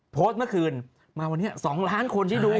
โพสต์เมื่อคืนมาวันนี้๒ล้านคนที่ดู